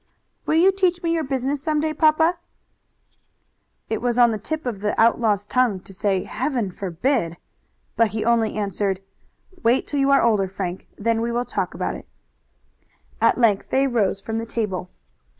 "Will you teach me your business some day, papa?" It was on the tip of the outlaw's tongue to say, "Heaven forbid!" but he only answered: "Wait till you are older, Frank. Then we will talk about it." At length they rose from the table.